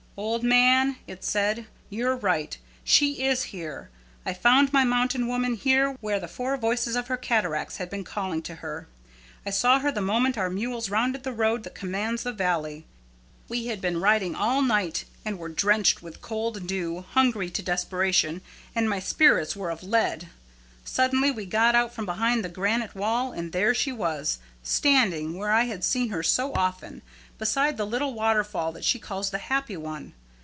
"Old man," it said, "you're right. She is here. I found my mountain woman here where the four voices of her cataracts had been calling to her. I saw her the moment our mules rounded the road that commands the valley. We had been riding all night and were drenched with cold dew, hungry to desperation, and my spirits were of lead. Suddenly we got out from behind the granite wall, and there she was, standing, where I had seen her so often, beside the little waterfall that she calls the happy one.